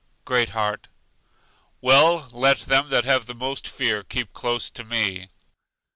Great heart: Well, let them that have the most fear keep close to me.